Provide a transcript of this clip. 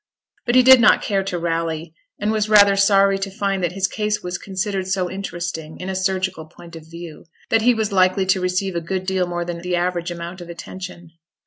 But he did not care to rally, and was rather sorry to find that his case was considered so interesting in a surgical point of view, that he was likely to receive a good deal more than the average amount of attention.